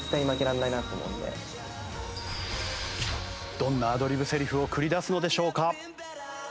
どんなアドリブセリフを繰り出すのでしょうか？